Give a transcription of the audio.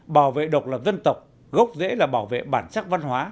bảo vệ độc lập dân tộc gốc rễ là bảo vệ bản sắc văn hóa